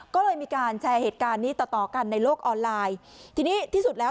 ก็เลยมีการแชร์เหตุการณ์นี้ต่อต่อกันในโลกออนไลน์ทีนี้ที่สุดแล้ว